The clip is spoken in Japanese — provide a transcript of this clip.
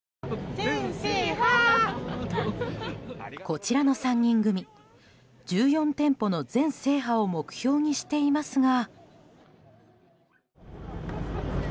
こちらの３人組１４店舗の全制覇を目標にしていますが。